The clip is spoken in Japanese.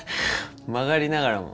曲がりながらも。